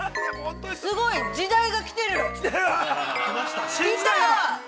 すごい。時代が来てる！来た！